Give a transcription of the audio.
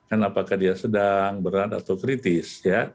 kan apakah dia sedang berat atau kritis